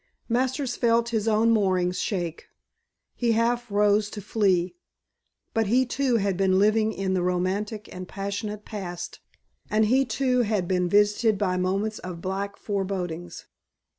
Masters felt his own moorings shake. He half rose to flee. But he too had been living in the romantic and passionate past and he too had been visited by moments of black forebodings.